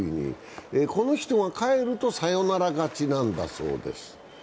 この人が帰るとサヨナラ勝ちなんだそうです。